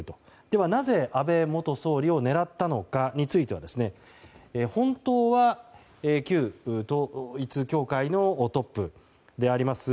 では、なぜ安倍元総理を狙ったのかについては本当は旧統一教会のトップであります